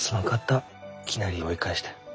いきなり追い返して。